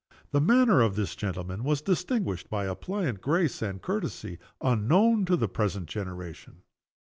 The manner of this gentleman was distinguished by a pliant grace and courtesy unknown to the present generation.